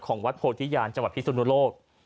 วัดโพธิญาณจังหวัดพิสุนุโลก